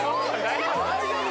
・大丈夫？